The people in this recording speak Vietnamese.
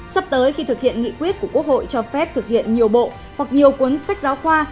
sắp tới khi thực hiện nghị quyết của quốc hội cho phép thực hiện nhiều bộ hoặc nhiều cuốn sách giáo khoa